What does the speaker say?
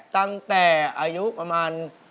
ตั้งแต่อายุประมาณ